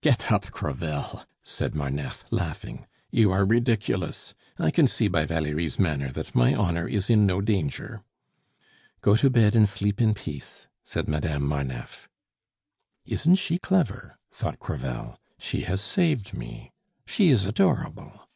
"Get up, Crevel," said Marneffe, laughing, "you are ridiculous. I can see by Valerie's manner that my honor is in no danger." "Go to bed and sleep in peace," said Madame Marneffe. "Isn't she clever?" thought Crevel. "She has saved me. She is adorable!"